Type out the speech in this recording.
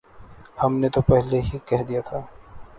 ہم نے تو پہلے ہی کہہ دیا تھا۔